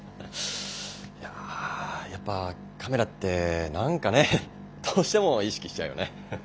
いややっぱカメラって何かねどうしても意識しちゃうよねハハ。